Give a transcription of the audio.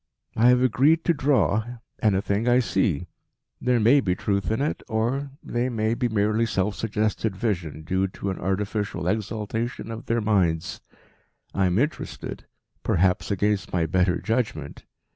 "I have agreed to draw anything I see. There may be truth in it, or they may be merely self suggested vision due to an artificial exaltation of their minds. I'm interested perhaps against my better judgment.